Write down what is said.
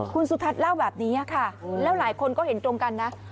คุณสุทัศน์เล่าแบบนี้ค่ะแล้วหลายคนก็เห็นตรงกันนะ